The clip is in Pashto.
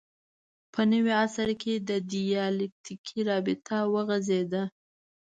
په نوي عصر کې دیالکتیکي رابطه وغځېده